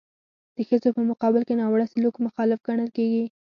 د ښځو په مقابل کې ناوړه سلوک مخالف ګڼل کیږي.